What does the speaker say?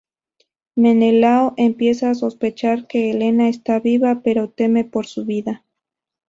Menelao empieza a sospechar que Helena está viva, pero teme por su vida.